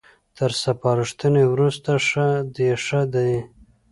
تر سپارښتنې وروسته ښه ديښه دي